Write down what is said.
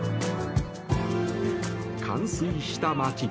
冠水した街。